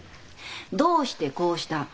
「どうしてこうした？」